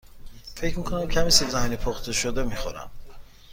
فکر می کنم کمی سیب زمینی پخته شده می خورم.